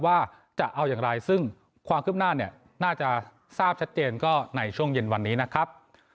ว่าจะเอาอย่างไรซึ่งความคืบหน้าเนี่ยน่าจะทราบชัดเจนก็ในช่วงเย็นวันนี้นะครับ